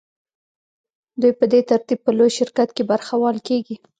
دوی په دې ترتیب په لوی شرکت کې برخوال کېږي